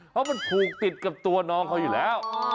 เพราะมันผูกติดกับตัวน้องเขาอยู่แล้ว